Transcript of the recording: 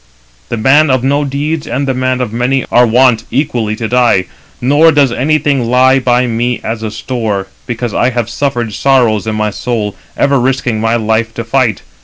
The man of no deeds, and the man of many, are wont equally to die; nor does anything lie by me as a store, 304 because I have suffered sorrows in my soul, ever risking my life to fight.